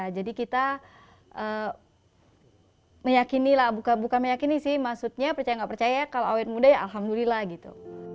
jadi kita meyakini lah bukan meyakini sih maksudnya percaya nggak percaya kalau awet muda ya alhamdulillah gitu